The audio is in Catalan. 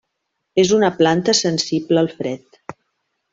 És una planta sensible al fred.